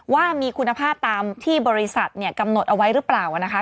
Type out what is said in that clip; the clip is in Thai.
ว่ามีคุณภาพตามที่บริษัทกำหนดเอาไว้หรือเปล่านะคะ